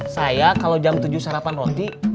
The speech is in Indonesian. saya kalau jam tujuh sarapan roti